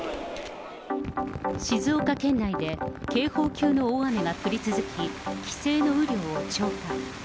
静岡県内で警報級の大雨が降り続き、規制の雨量を超過。